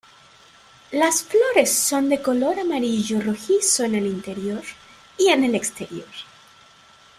Las flores son de color amarillo rojizo en el interior y en el exterior.